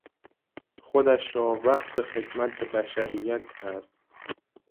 خودش را وقف خدمت به بشریت کرد.